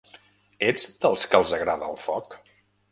Ets dels que els agrada el foc?